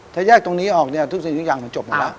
ถ้าแยกตรงนี้ออกเนี่ยทุกสิ่งทุกอย่างมันจบลงแล้ว